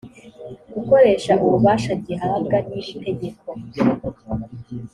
gukoresha ububasha gihabwa n iri tegeko